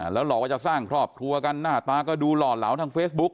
แล้วหลอกว่าจะสร้างครอบครัวกันหน้าตาก็ดูหล่อเหลาทางเฟซบุ๊ค